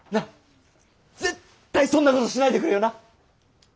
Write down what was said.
絶対そんなことしないでくれよな。